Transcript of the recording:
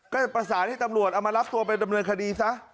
ก็จะประสานให้ตำรวจเอามารับตัวไปดำเนินคดีซะ